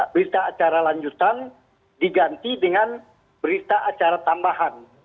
berita acara lanjutan diganti dengan berita acara tambahan